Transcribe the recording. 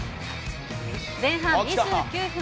前半２９分。